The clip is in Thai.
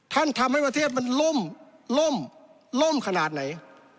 ทำให้ประเทศมันล่มล่มล่มขนาดไหน